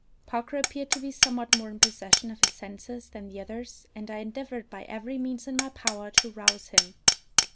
Parker appeared to be somewhat more in possession of his senses than the others, and I endeavoured, by every means in my power, to rouse him.